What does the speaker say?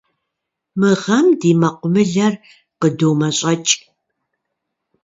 Мы гъэм ди мэкъумылэр къыдомэщӏэкӏ.